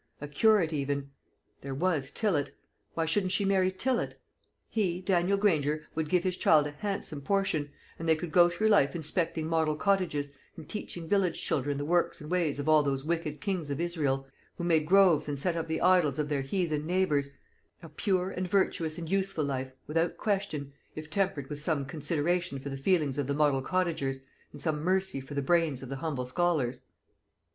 A curate even. There was Tillott. Why shouldn't she marry Tillott? He, Daniel Granger, would give his child a handsome portion, and they could go through life inspecting model cottages, and teaching village children the works and ways of all those wicked kings of Israel, who made groves and set up the idols of their heathen neighbours; a pure and virtuous and useful life, without question, if tempered with come consideration for the feelings of the model cottagers, and some mercy for the brains of the humble scholars.